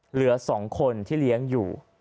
เหลือ๒คนที่เลี้ยงอยู่